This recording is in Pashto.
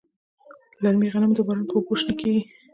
للمي غنم د باران په اوبو شنه کیږي.